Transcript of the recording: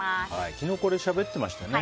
昨日これしゃべってましたね。